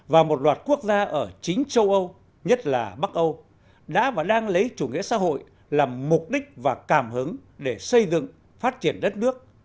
và một loạt quốc gia ở chính châu âu nhất là bắc âu đã và đang lấy chủ nghĩa xã hội làm mục đích và cảm hứng để xây dựng phát triển đất nước